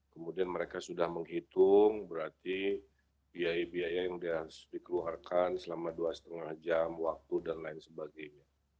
kemudian mereka sudah menghitung berarti biaya biaya yang harus dikeluarkan selama dua lima jam waktu dan lain sebagainya